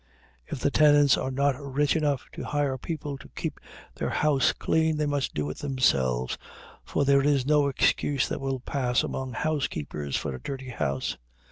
If the tenants are not rich enough to hire people to keep their house clean, they must do it themselves, for there is no excuse that will pass among housekeepers for a dirty house.